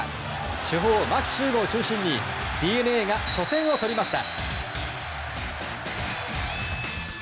主砲、牧秀悟を中心にＤｅＮＡが初戦をとりました。